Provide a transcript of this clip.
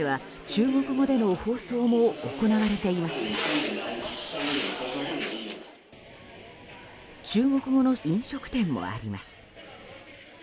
中国語の飲食店もあります。